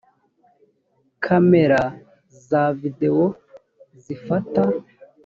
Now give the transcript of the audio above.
kamera za videwo zifata